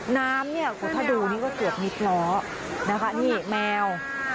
น้ำเนี่ยถ้าดูก็สะดุดนิดน้อยนะคะนี่แมว